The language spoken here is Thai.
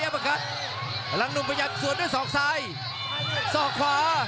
พลังนุ่มประยับส่วนด้วยสอกซ้ายสอกขวา